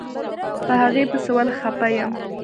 په هغې پسې ولې خپه يم.